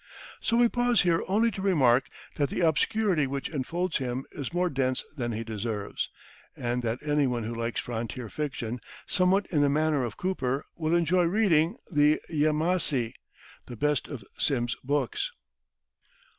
So we pause here only to remark that the obscurity which enfolds him is more dense than he deserves, and that anyone who likes frontier fiction, somewhat in the manner of Cooper, will enjoy reading "The Yemassee," the best of Simms's books.